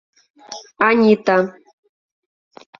Анита.